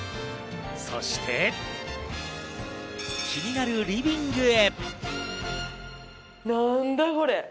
そして気になるリビングへ。